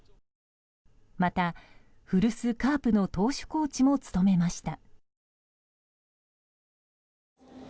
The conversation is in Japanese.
また、古巣カープの投手コーチも務めました。